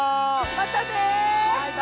まったね！